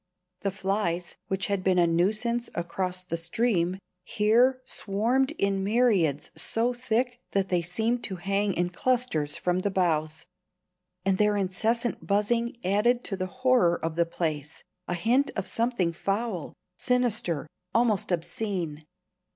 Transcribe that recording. The flies, which had been a nuisance across the stream, here swarmed in myriads so thick that they seemed to hang in clusters from the boughs; and their incessant buzzing added to the horror of the place a hint of something foul, sinister, almost obscene.